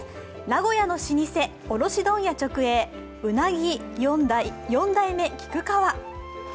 名古屋の老舗、卸問屋直営、うなぎ四代目菊川。